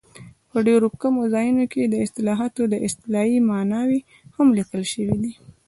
په ډېرو کمو ځایونو کې د اصطلاحاتو اصطلاحي ماناوې هم لیکل شوي دي.